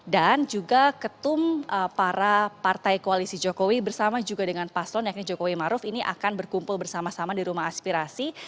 dan juga ketum para partai koalisi jokowi bersama juga dengan paslon yakni jokowi maruf ini akan berkumpul bersama sama di rumah aspirasi